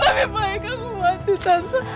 tapi baik aku mati tante